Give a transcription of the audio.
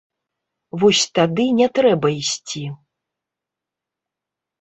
Вось тады не трэба ісці.